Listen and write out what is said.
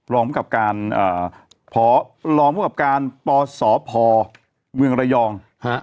รองประกับการปศวิกษาปลอ์ศอภอร์เมืองบรมไลยอง